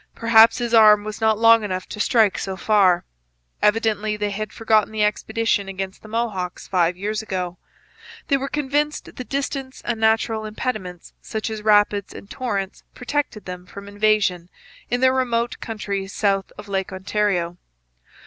Perhaps his arm was not long enough to strike so far. Evidently they had forgotten the expedition against the Mohawks five years ago. They were convinced that distance and natural impediments, such as rapids and torrents, protected them from invasion in their remote country south of Lake Ontario.